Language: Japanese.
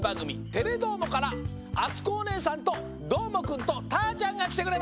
「テレどーも！」からあつこおねえさんとどーもくんとたーちゃんがきてくれました！